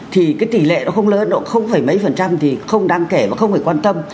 thì cái tỷ lệ nó không lớn nó không phải mấy phần trăm thì không đáng kể và không phải quan tâm